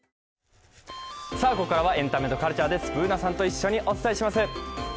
ここからは「エンタメとカルチャー」Ｂｏｏｎａさんと一緒にお伝えします。